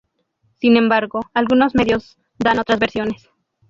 Sin embargo, algunos medios dan otras versiones.